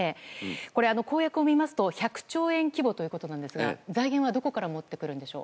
これは、公約を見ると１００兆円規模ということですが財源は、どこから持ってくるんでしょう？